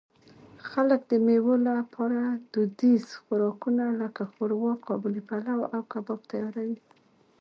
خلک د مېلو له پاره دودیز خوراکونه؛ لکه ښوروا، قابلي پلو، او کباب تیاروي.